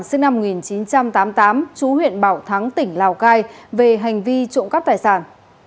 sinh năm một nghìn chín trăm tám mươi tám chú huyện bảo thắng tỉnh lào cai về hành vi trộm cắp tài sản